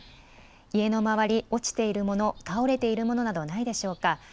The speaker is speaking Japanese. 家の周り、落ちているもの、倒れているものなどないでしょうか。